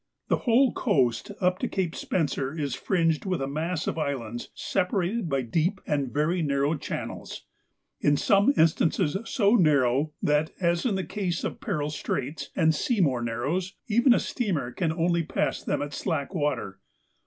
The whole coast up to Cape Spencer is fringed with a mass of islands separated by deep and very narrow channels, in some instances so narrow that, as in the case of Peril Straits and Seymour Narrows, even a steamer can only pass them at slack water.